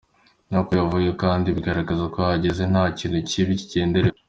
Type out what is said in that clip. Niko yavuyemo kandi byagaragazaga ko yahageze nta kintu kibi kigenderewe.